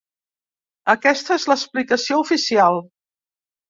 Aquesta és l’explicació oficial.